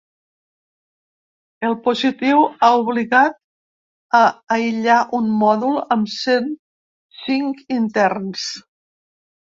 El positiu ha obligat a aïllar un mòdul amb cent cinc interns.